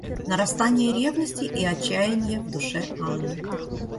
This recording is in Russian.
Нарастание ревности и отчаяния в душе Анны.